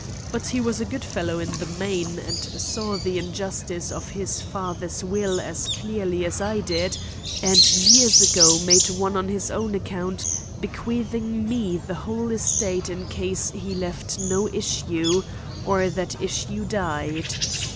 But he was a good fellow in the main and saw the injustice of his father's will as clearly as I did, and years ago made one on his own account bequeathing me the whole estate in case he left no issue, or that issue died.